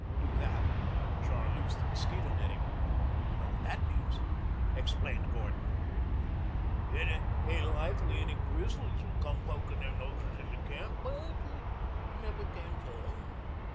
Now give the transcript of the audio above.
Do that, and you'll jar loose the mosquito netting. You know what that means," explained Gordon. "It ain't likely any grizzlies will come pokin' their noses into camp. But you never can tell.